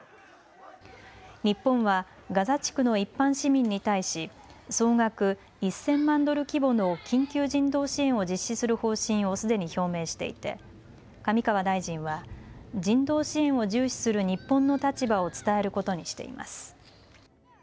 日本はガザ地区の一般市民に対し総額１０００万ドル規模の緊急人道支援を実施する方針をすでに表明していて上川大臣は人道支援を重視する日本の立場を伝えることにしています。